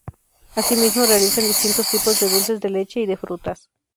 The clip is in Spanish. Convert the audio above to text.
Así mismo, realizan distintos tipos de dulces de leche y de frutas.